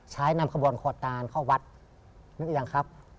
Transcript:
ใช้นำขบวนขวดตานเข้าวัดนึกอีกอย่างครับ